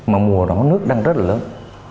mà mùa đó nước đang rất là lớn